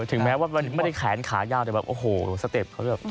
ถึงแม้ว่าไม่ได้แขนขายาวแต่แบบโอ้โหสเต็ปเขาแบบ